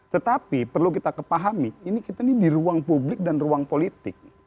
tetapi perlu kita kepahami ini kita ini di ruang publik dan ruang politik